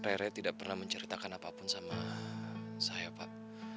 rere tidak pernah menceritakan apapun sama saya pak